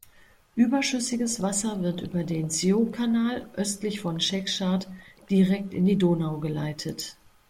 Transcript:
Überschüssiges Wasser wird über den Sió-Kanal östlich von Szekszárd direkt in die Donau geleitet.